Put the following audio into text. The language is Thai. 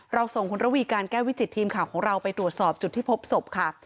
ส่งคุณระวีการแก้ววิจิตทีมข่าวของเราไปตรวจสอบจุดที่พบศพค่ะ